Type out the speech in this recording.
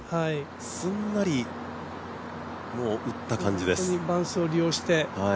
すんなり打った感じです。